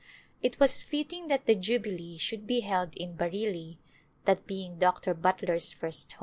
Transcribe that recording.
It was fitting that the Jubilee should be held in Bareilly, that being Dr. Butler's first home.